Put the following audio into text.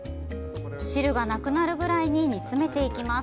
汁がなくなるぐらいに煮詰めていきます。